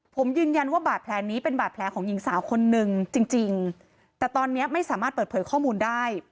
ผมยืนยันว่าบาดแผลนี้เป็นบาดแผลของหญิงสาวคนนึงจริงจริงแต่ตอนนี้ไม่สามารถเปิดเผยข้อมูลได้